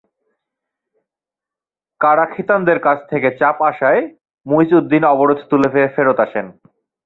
কারা-খিতানদের কাছ থেকে চাপ আসায় মুইজউদ্দিন অবরোধ তুলে ফেরত আসেন।